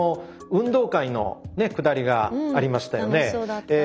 運動会のくだりがありましたよね。